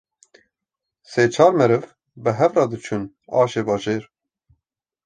sê-çar meriv bi hevra diçûn aşê bajêr